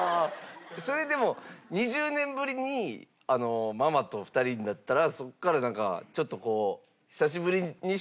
それでも２０年ぶりにママと２人になったらそこからなんかちょっとこう。